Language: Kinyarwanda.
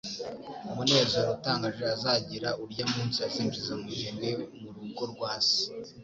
umunezero utangaje azagira urya munsi azinjiza umugeni mu rugo rwa Se,